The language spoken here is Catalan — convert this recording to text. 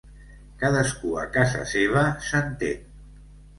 Cadascú a casa seva s'entén.